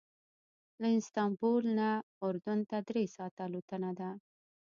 له استانبول نه اردن ته درې ساعته الوتنه ده.